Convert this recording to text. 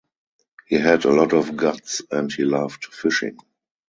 He had a lot of guts and he loved fishing.